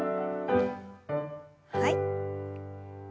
はい。